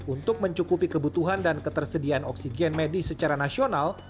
untuk mencukupi kebutuhan dan ketersediaan oksigen medis secara nasional